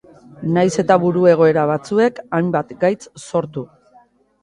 Nahiz eta buru-egoera batzuek hainbat gaitz sortu.